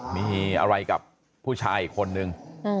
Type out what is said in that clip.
มีอะไรกับผู้ชายอีกคนนึง